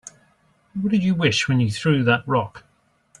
What'd you wish when you threw that rock?